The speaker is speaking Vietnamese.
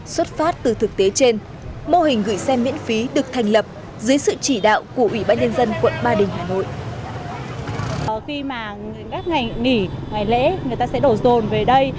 xuất phát từ thực tế trên mô hình gửi xe miễn phí được thành lập dưới sự chỉ đạo của ủy